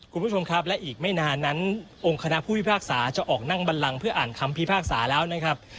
คุณผู้ชมครับและอีกไม่นานนั้นองค์คณะผู้พิพากษาจะออกนั่งบันลังเพื่ออ่านคำพิพากษาแล้วนะครับ